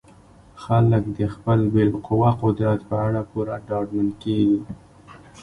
خلک د خپل بالقوه قدرت په اړه پوره ډاډمن کیږي.